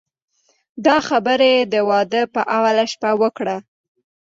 دا خبره یې د واده په اوله شپه وکړه.